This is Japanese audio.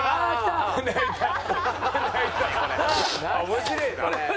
面白えな」